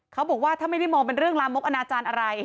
เขาบอกว่าถ้าไม่ได้มองเป็นเรื่องลามกอนาจารย์อะไร